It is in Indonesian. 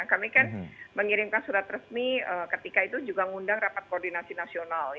kami kan mengirimkan surat resmi ketika itu juga ngundang rapat koordinasi nasional